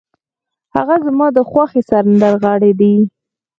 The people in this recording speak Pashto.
هغه زما د خوښې سندرغاړی دی.